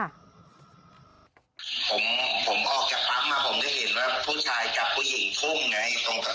ผมออกจากปั๊มมาผมก็เห็นว่าผู้ชายจับผู้หญิงพุ่งไง